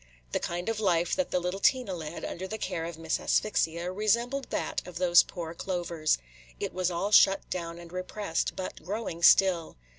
The kind of life that the little Tina led, under the care of Miss Asphyxia, resembled that of these poor clovers. It was all shut down and repressed, but growing still.